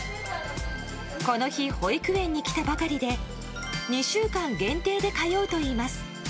この日保育園に来たばかりで２週間限定で通うといいます。